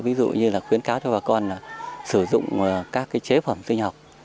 ví dụ như là khuyến cáo cho bà con sử dụng các chế phẩm sinh học